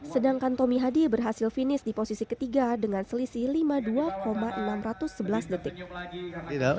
sedangkan tommy hadi berhasil finish di posisi ketiga dengan selisih lima puluh dua enam ratus sebelas detik